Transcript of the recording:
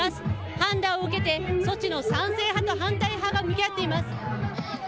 判断を受けて措置の賛成派と反対派が向き合っています。